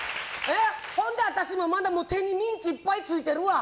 ほんで、私も手にミンチいっぱいついてるわ。